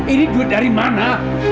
ini duit dari mana